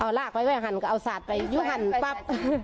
เอารากไปก็เอาสัตว์ไปยุหันปั๊บ